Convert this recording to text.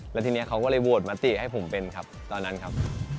แล้วทีนี้เขาก็เลยโหวตมติให้ผมเป็นครับตอนนั้นครับ